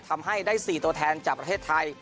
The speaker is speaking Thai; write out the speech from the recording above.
ทำให้ได้๔ตัวแทนจากประเทศไทย